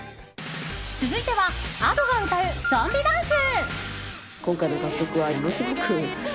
続いては、Ａｄｏが歌うゾンビダンス。